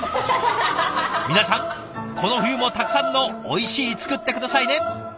皆さんこの冬もたくさんの「おいしい」作って下さいね！